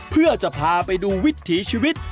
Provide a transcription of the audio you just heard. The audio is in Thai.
เพื่อจะพาไปดูวิถีชีวิต